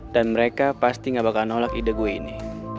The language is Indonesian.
dan mereka pasti gak bakal nolak ide gue ini